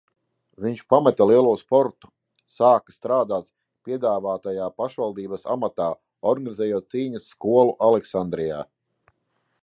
Viņš pameta lielo sportu, sāka strādāt piedāvātajā pašvaldības amatā, organizējot cīņas skolu Aleksandrijā.